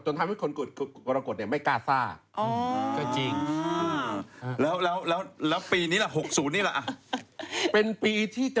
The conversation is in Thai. จนทำให้คนกุรกฎเนี่ย